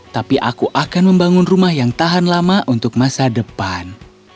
tapi aku akan membangun rumah yang tahan lama untuk masa depan